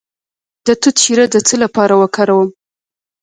د توت شیره د څه لپاره وکاروم؟